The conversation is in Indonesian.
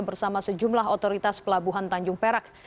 bersama sejumlah otoritas pelabuhan tanjung perak